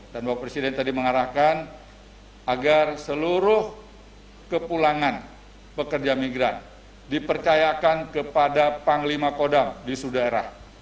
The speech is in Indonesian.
dan pak presiden tadi mengarahkan agar seluruh kepulangan pekerja migran dipercayakan kepada panglima kodam di sudaerah